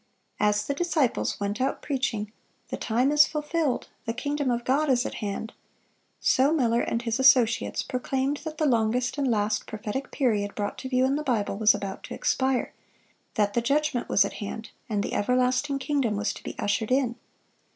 As the disciples went out preaching, "The time is fulfilled, the kingdom of God is at hand," so Miller and his associates proclaimed that the longest and last prophetic period brought to view in the Bible was about to expire, that the judgment was at hand, and the everlasting kingdom was to be ushered in.